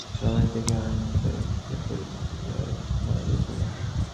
রমেশ ডেকে আরাম-কেদারায় গিয়া পরিপাক-ক্রিয়ায় মনোযোগ দিল।